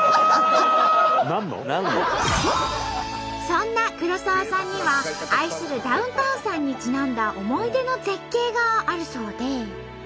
そんな黒沢さんには愛するダウンタウンさんにちなんだ思い出の絶景があるそうで。